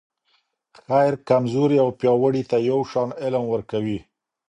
خير کمزورې او پیاوړي ته یو شان علم ورکوي.